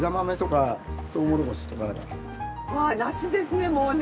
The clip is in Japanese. わあ夏ですねもうね。